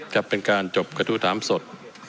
ครับเป็นการจบกระทั่วถามสด